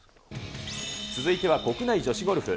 続いては国内女子ゴルフ。